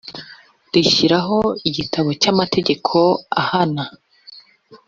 rishyiraho igitabo cy amategeko ahana